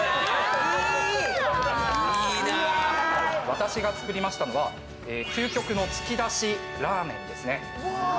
私が作りましたのは究極の突き出しラーメンですね。